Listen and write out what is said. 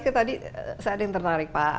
oke tadi saya ada yang tertarik pak